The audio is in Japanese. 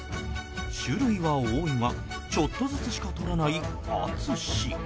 種類は多いがちょっとずつしか取らない淳